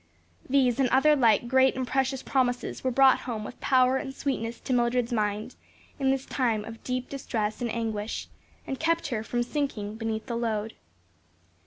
These and other like great and precious promises were brought home with power and sweetness to Mildred's mind in this time of deep distress and anguish, and kept her from sinking beneath the load.